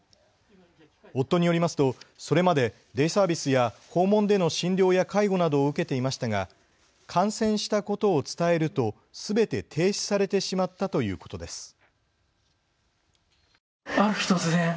夫によりますと、それまでデイサービスや訪問での診療や介護などを受けていましたが感染したことを伝えると、すべて停止されてしまったということです。